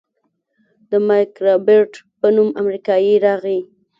د مايک رابرټ په نوم امريکايي راغى.